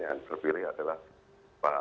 yang terpilih adalah pak